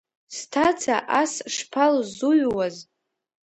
Сҭаца ас шԥалзуҩуаз!